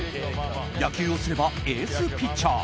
野球をすればエースピッチャー